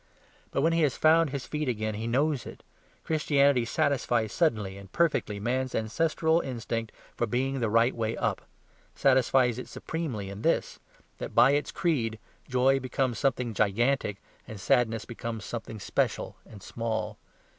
But when he has found his feet again he knows it. Christianity satisfies suddenly and perfectly man's ancestral instinct for being the right way up; satisfies it supremely in this; that by its creed joy becomes something gigantic and sadness something special and small.